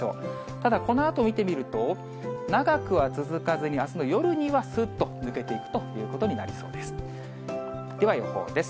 ただこのあと見てみると、長くは続かずに、あすの夜には、すっと抜けていくということになりそうです。